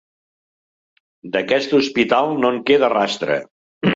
D'aquest hospital, no en queda rastre.